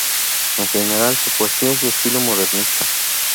En general su poesía es de estilo modernista.